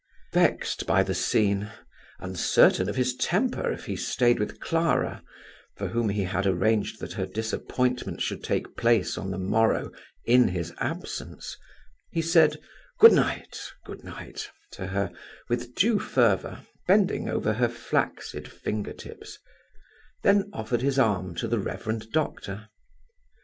Vexed by the scene, uncertain of his temper if he stayed with Clara, for whom he had arranged that her disappointment should take place on the morrow, in his absence, he said: "Good night, good night," to her, with due fervour, bending over her flaccid finger tips; then offered his arm to the Rev. Doctor.